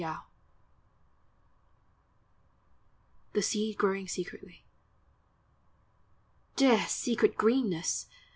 343 THE SEED (.ROWING SECRETLY. Dear, secret greenness!